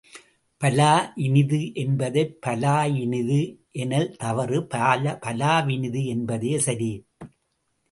பலா இனிது என்பதைப் பலாயினிது எனல் தவறு பலாவினிது என்பதே சரி.